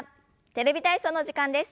「テレビ体操」の時間です。